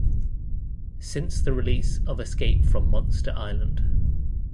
Since the release of Escape from Monsta Island!